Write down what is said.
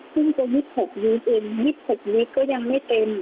ถึงจะวิทย์๖วิทย์เองวิทย์๖วิทย์ก็ยังไม่เต็ม